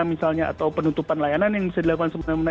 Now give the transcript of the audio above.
misalnya atau penutupan layanan yang bisa dilakukan semena mena